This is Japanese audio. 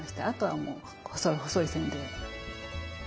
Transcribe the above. あとはもう細い細い線で。